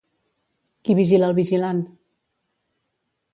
Qui vigila el vigilant?